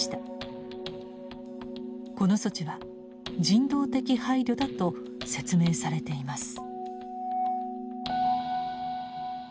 この措置は人道的配慮だと説明されています。